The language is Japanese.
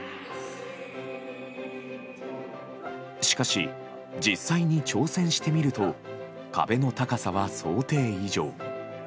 しかし、実際に挑戦してみると壁の高さは想定以上。